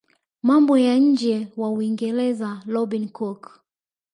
mambo ya nje wa Uingereza Robin cook